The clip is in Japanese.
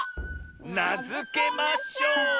「なづけましょう」！